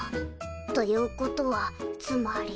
ということはつまり。